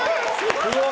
すごい！